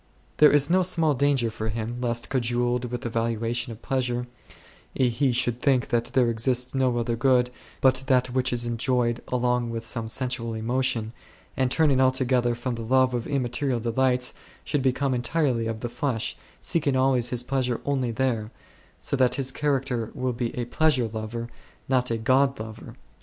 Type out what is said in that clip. There is no small danger for him lest, cajoled in the valuation of pleasure, he should think that there exists no other good but that which is enjoyed along with some sensual emotion, and, turning alto gether from the love of immaterial delights, should become entirely of the flesh, seeking always his pleasure only there, so that his char acter will be a Pleasure lover, not a God lover.